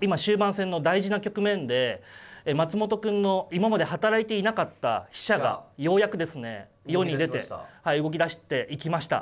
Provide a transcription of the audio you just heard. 今終盤戦の大事な局面で松本くんの今まで働いていなかった飛車がようやくですね世に出て動きだしていきました。